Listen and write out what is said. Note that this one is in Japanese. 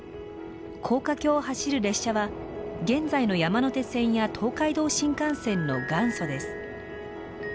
高架橋を走る列車は現在の山手線や東海道新幹線の元祖です。